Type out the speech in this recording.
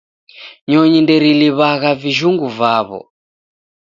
Nyonyi nderiliw'agha vijhungu vaw'o